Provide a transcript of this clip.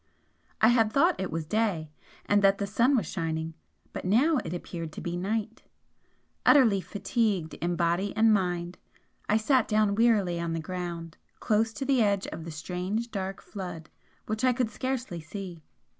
I had thought it was day, and that the sun was shining, but now it appeared to be night. Utterly fatigued in body and mind, I sank down wearily on the ground, close to the edge of the strange dark flood which I could scarcely see.